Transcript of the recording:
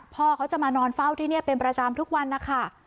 พ่อเขาจะมานอนเฝ้าที่นี่เป็นประจำทุกวันนะคะ